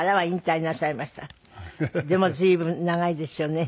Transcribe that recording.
でも随分長いですよね。